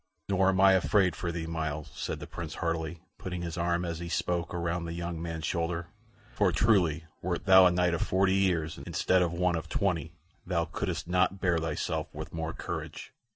"Nor am I afraid for thee, Myles," said the Prince, heartily, putting his arm, as he spoke, around the young man's shoulder; "for truly, wert thou a knight of forty years, instead of one of twenty, thou couldst not bear thyself with more courage."